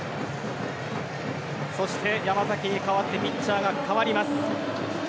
そして、山崎に代わってピッチャーが代わります。